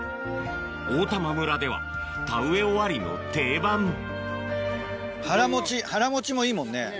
大玉村では田植え終わりの定番腹持ち腹持ちもいいもんね。